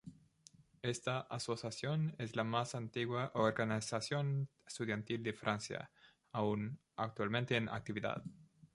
Esta asociación es la más antigua organización estudiantil de Francia, aún actualmente en actividad.